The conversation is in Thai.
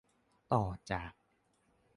ต่อจาก